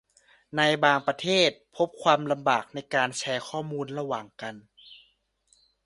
ในบางประเทศ พบความลำบากในการแชร์ข้อมูลระหว่างกัน